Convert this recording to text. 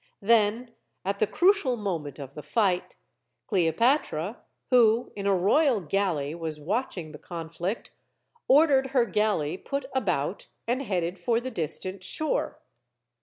Then, at the crucial moment of the fight, Cleopatra, who, in a royal galley, was watching the conflict, or dered her galley put about and headed for the distant shore.